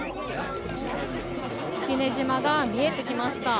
式根島が見えてきました。